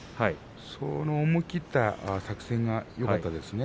その思い切った作戦がよかったですね。